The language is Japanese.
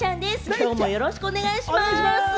きょうもよろしくお願いします。